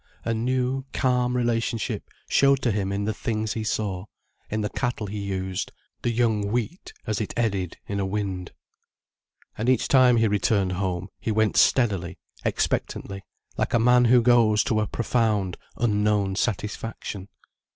A new, calm relationship showed to him in the things he saw, in the cattle he used, the young wheat as it eddied in a wind. And each time he returned home, he went steadily, expectantly, like a man who goes to a profound, unknown satisfaction.